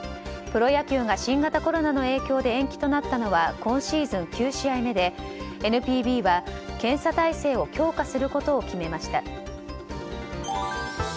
プロ野球が新型コロナの影響で延期となったのは今シーズン９試合目でＮＰＢは検査体制を強化することを決めました。